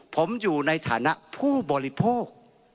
ผมอยู่ในฐานะผู้บริโภค